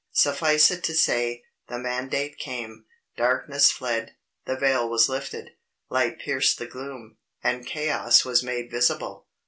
Suffice it to say, the mandate came, darkness fled, the veil was lifted, light pierced the gloom, and chaos was made visible.